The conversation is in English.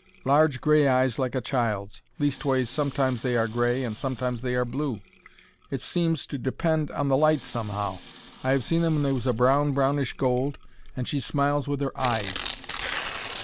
Large grey eyes like a child's, leastways sometimes they are grey and sometimes they are blue. It seems to depend on the light somehow; I 'ave seen them when they was a brown brownish gold. And she smiles with 'er eyes."